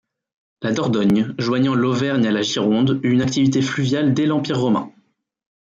La Dordogne, joignant l'Auvergne à la Gironde eut une activité fluviale dès l'Empire romain.